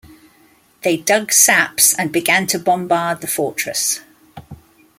They dug saps and began to bombard the fortress.